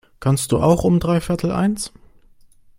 Kannst du auch um dreiviertel eins?